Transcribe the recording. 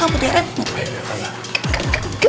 tante saya teriak